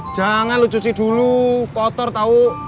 jangan lo cuci dulu kotor tau